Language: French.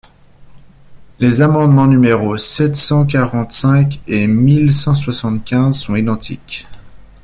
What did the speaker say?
Les amendements numéros sept cent quarante-cinq et mille cent soixante-quinze sont identiques.